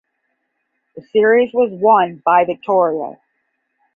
The series was won by Victoria.